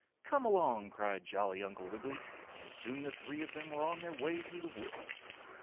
"Come along!" cried jolly Uncle Wiggily and soon the three of them were on their way through the woods.